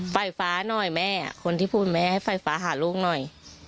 ไฟฟ้าหน่อยแม่คนที่พูดแม่ให้ไฟฟ้าหาลูกหน่อย